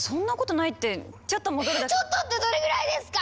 ちょっとってどれぐらいですか！